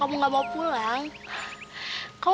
kamu bisa kan hidup di rumah aku